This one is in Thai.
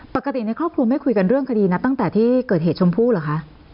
ปกติในครอบครัวไม่คุยกันเรื่องคดีนะตั้งแต่ที่เกิดเหตุชมพู่เหรอคะ